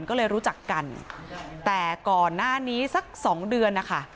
ก็เลยรู้จักกันแต่ก่อนหน้านี้สักสองเดือนนะคะ